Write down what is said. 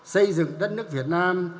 xây dựng đất nước việt nam